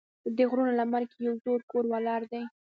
د غرونو لمن کې یو زوړ کور ولاړ دی.